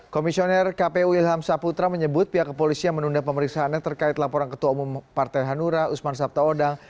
komisioner kpu ilham saputra menyebut pihak kepolisian menunda pemeriksaannya terkait laporan ketua umum partai hanura usman sabtaodang